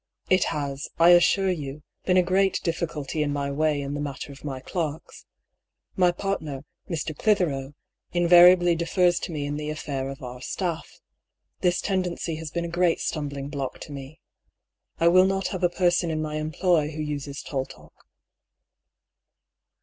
" It has, I a'ssure you, been a great difficulty in my way in the mat ter oi my clerks. My partner, Mr. Clithero, invariably defers to me in the affair of our staff. This tendency has been a great stumbling block to me. I will not have a person in my employ who uses tall talk."